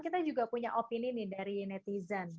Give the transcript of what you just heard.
kita juga punya opini nih dari netizen